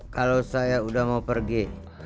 kalau saya udah mau pergi